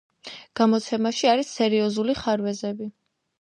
გამოცემაში არის სერიოზული ხარვეზები.